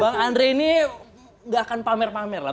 bang andre ini gak akan pamer pamer lah